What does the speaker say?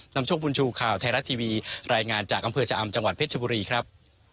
นำโชคบุญชูข่าวไทยรัฐทีวีรายงานจากอำเภอชะอำจังหวัดเพชรชบุรีครับ